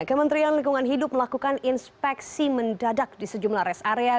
kementerian lingkungan hidup melakukan inspeksi mendadak di sejumlah res area